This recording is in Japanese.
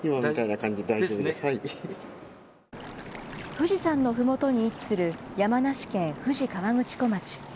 富士山のふもとに位置する、山梨県富士河口湖町。